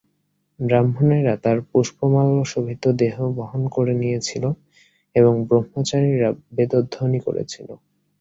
ব্রাহ্মণেরা তাঁর পুষ্পমাল্য-শোভিত দেহ বহন করে নিয়েছিল এবং ব্রহ্মচারীরা বেদধ্বনি করেছিল।